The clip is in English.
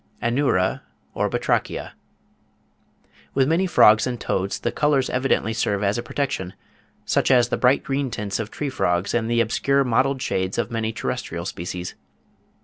ANURA OR BATRACHIA. With many frogs and toads the colours evidently serve as a protection, such as the bright green tints of tree frogs and the obscure mottled shades of many terrestrial species.